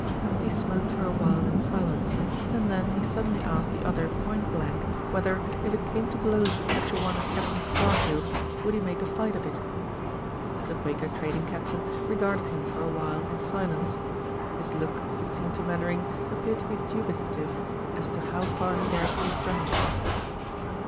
He smoked for a while in silence and then he suddenly asked the other point blank whether, if it came to blows with such a one as Captain Scarfield, would he make a fight of it? The Quaker trading captain regarded him for a while in silence. His look, it seemed to Mainwaring, appeared to be dubitative as to how far he dared to be frank.